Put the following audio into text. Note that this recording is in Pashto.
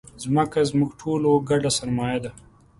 مځکه زموږ ټولو ګډه سرمایه ده.